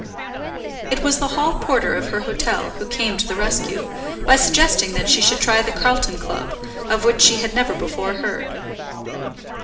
It was the hall porter of her hotel who came to the rescue, by suggesting that she should try the Carlton Club, of which she had never before heard.